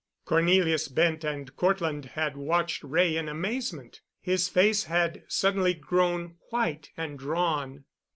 Cornelius Bent and Cortland had watched Wray in amazement. His face had suddenly grown white and drawn.